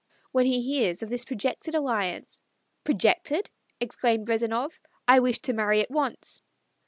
When he hears of this projected alliance " "Projected?" exclaimed Rezanov. "I wish to marry at once."